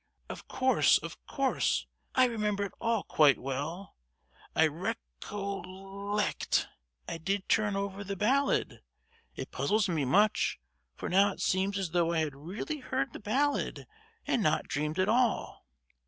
Of course, of course, I remember it all quite well. I recoll—ect I did turn over the ballad. It puzzles me much, for now it seems as though I had really heard the ballad, and not dreamt it all."